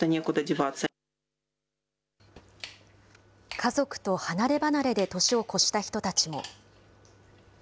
家族と離れ離れで年を越した人たちも。